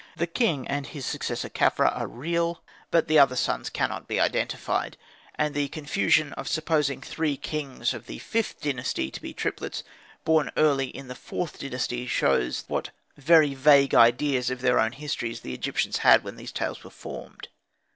The king and his successor Khafra are real, but the other sons cannot be identified; and the confusion of supposing three kings of the Vth Dynasty to be triplets born early in the IVth Dynasty, shows what very vague ideas of their own history the Egyptians had when these tales were formed.